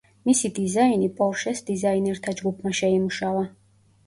მისი დიზაინი პორშეს დიზაინერთა ჯგუფმა შეიმუშავა.